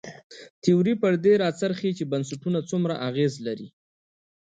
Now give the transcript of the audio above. تیوري پر دې راڅرخي چې بنسټونه څومره اغېز لري.